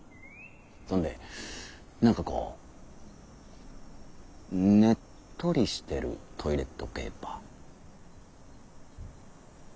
そんで「なんかこうねっとりしてるトイレットペーパー」。